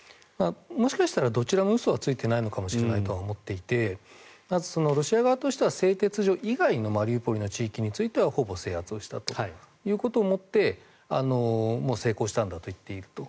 もしかしたらどちらも嘘はついてないかもしれないと思っていてロシア側としては製鉄所以外のマリウポリの地域についてはほぼ制圧をしたということをもって成功したんだと言っていると。